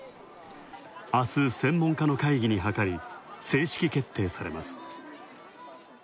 あす専門家の会議にはかり正式決定されます。